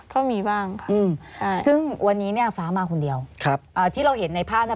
ก็มีบ้างค่ะอืมอ่าซึ่งวันนี้เนี่ยฟ้ามาคนเดียวครับอ่าที่เราเห็นในภาพน่ะ